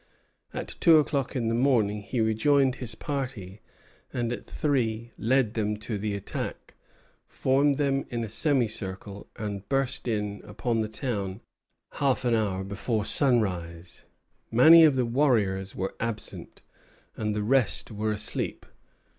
At two o'clock in the morning he rejoined his party, and at three led them to the attack, formed them in a semicircle, and burst in upon the town half an hour before sunrise. Many of the warriors were absent, and the rest were asleep.